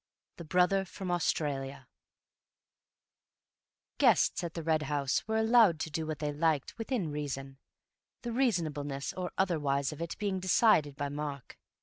The Brother from Australia Guests at the Red House were allowed to do what they liked within reason—the reasonableness or otherwise of it being decided by Mark.